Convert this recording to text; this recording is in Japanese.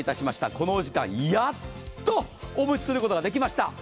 このお時間、やっとお持ちすることができました。